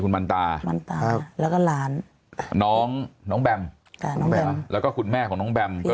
คุณมันตาแล้วก็หลานน้องน้องแบมแล้วก็คุณแม่ของน้องแบมก็